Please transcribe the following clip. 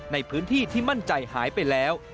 ในพื้นที่ที่มั่นใจหายไปแล้ว